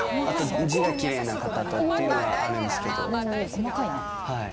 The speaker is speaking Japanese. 細かいね。